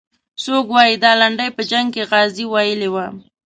څوک وایي دا لنډۍ په جنګ کې غازي ویلې وه.